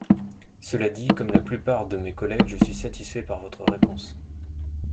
Cela dit, comme la plupart de mes collègues, je suis satisfait par votre réponse.